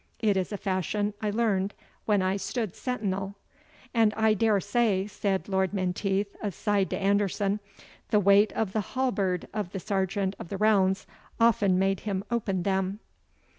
It is a fashion I learned when I stood sentinel." "And I daresay," said Lord Menteith, aside to Anderson, "the weight of the halberd of the sergeant of the rounds often made him open them."